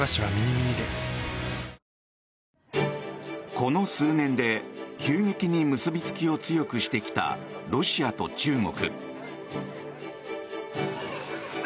この数年で急激に結びつきを強くしてきたロシアと中国。